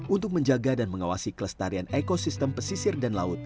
untuk menjaga dan mengawasi kelestarian ekosistem pesisir dan laut